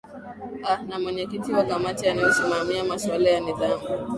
aa na mwenyekiti wa kamati inayosimamia masuala ya nidhamu